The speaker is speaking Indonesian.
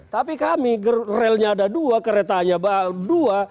tapi kami relnya ada dua keretanya dua